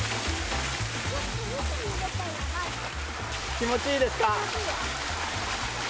気持ちいいですか？